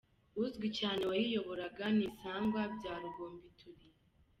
Uzw’icyane waziyoboraga ni Bisangwa bya Rugombituri.